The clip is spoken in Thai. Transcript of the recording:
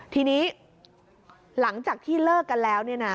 ทีนี้หลังจากที่เลิกกันแล้ว